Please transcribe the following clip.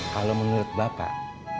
kalau menurut bapak